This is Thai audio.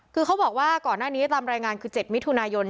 คือเขาบอกว่าก่อนหน้านี้ตามรายงานคือ๗มิถุนายน